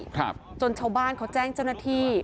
ครับจนชาวบ้านเขาแจ้งเจ้าหน้าที่